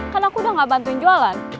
karena aku udah gak bantuin jualan